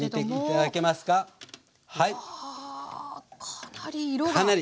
かなり色が。